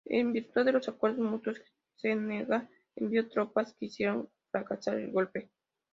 En virtud de los acuerdos mutuos, Senegal envió tropas que hicieron fracasar el golpe.